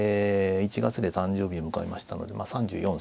１月で誕生日を迎えましたので３４歳ですか。